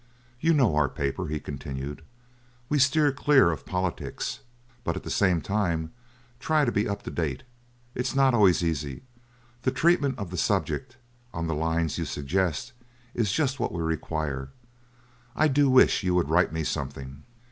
You know our paper,' he continued; 'we steer clear of politics, but, at the same time, try to be up to date; it is not always easy. The treatment of the subject, on the lines you suggest, is just what we require. I do wish you would write me something.